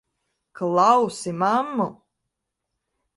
Klausi mammu!